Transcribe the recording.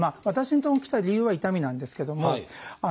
私のとこに来た理由は痛みなんですけども。